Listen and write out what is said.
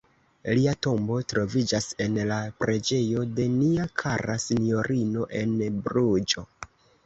Lia tombo troviĝas en la "preĝejo de nia kara sinjorino" en Bruĝo.